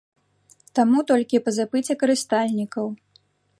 Таму толькі па запыце карыстальнікаў.